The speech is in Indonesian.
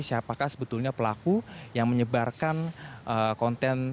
siapakah sebetulnya pelaku yang menyebarkan konten